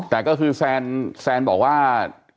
แต่ก็คือแซนบอกว่า